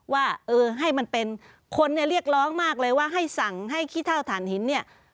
ว่าเออให้มันเป็นคนเนี่ยเรียกร้องมากเลยว่าให้สั่งให้ขี้เท่าฐานหินเนี่ย